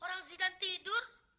orang zidan tidur